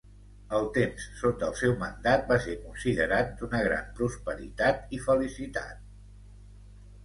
El temps sota el seu mandat va ser considerat d'una gran prosperitat i felicitat.